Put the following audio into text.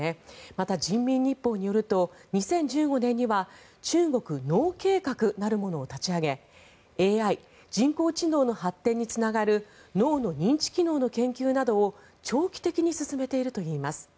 また、人民日報によると２０１５年には中国脳計画なるものを立ち上げＡＩ・人工知能の発展につながる脳の認知機能の研究などを長期的に進めているといいます。